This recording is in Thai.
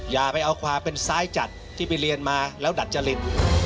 อย่าไปเอาความเป็นซ้ายจัดที่ไปเรียนมาแล้วดัดจริน